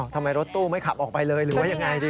รถตู้ไม่ขับออกไปเลยหรือว่ายังไงดี